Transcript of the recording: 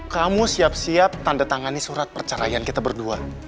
kamu siap siap tanda tangani surat perceraian kita berdua